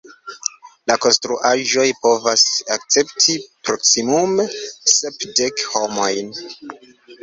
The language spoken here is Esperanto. La konstruaĵoj povas akcepti proksimume sepdek homojn.